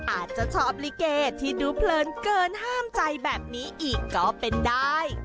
อาจจะชอบลิเกที่ดูเพลินเกินห้ามใจแบบนี้อีกก็เป็นได้